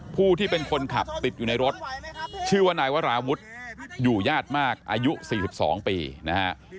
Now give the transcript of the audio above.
ผู้ที่เป็นคนขับติดอยู่ในรถชื่อว่านายวราวุฒิอยู่ญาติมากอายุ๔๒ปีนะฮะ